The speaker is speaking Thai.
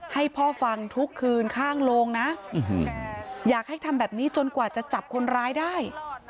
ให้พ่อฟังทุกคืนข้างโรงนะอยากให้ทำแบบนี้จนกว่าจะจับคนร้ายได้